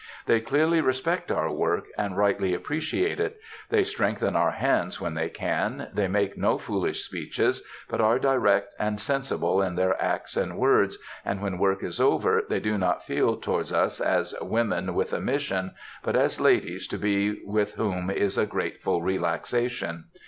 They clearly respect our work, and rightly appreciate it; they strengthen our hands when they can, they make no foolish speeches, but are direct and sensible in their acts and words, and when work is over, they do not feel toward us as "women with a mission," but as ladies, to be with whom is a grateful relaxation.